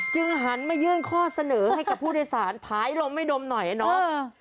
หันมายื่นข้อเสนอให้กับผู้โดยสารผายลมให้นมหน่อยน้อง